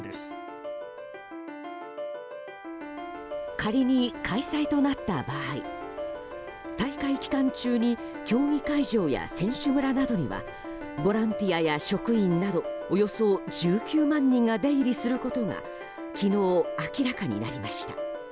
仮に開催となった場合大会期間中に競技会場や選手村などにはボランティアや職員などおよそ１９万人が出入りすることが昨日、明らかになりました。